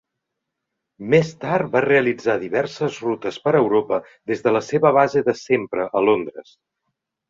Més tard, va realitzar diverses rutes per Europa des de la seva base de sempre a Londres.